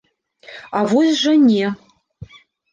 А вось жа не!